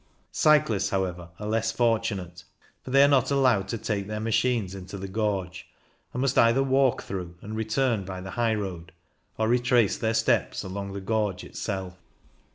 Cyclists, however, are less fortunate, for they are not allowed to take their machines into the gorge, and must either walk through and return by the high road, or retrace their steps along the gorge itself.